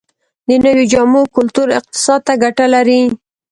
د نویو جامو کلتور اقتصاد ته ګټه لري؟